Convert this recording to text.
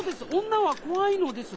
女は怖いのです。